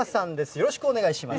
よろしくお願いします。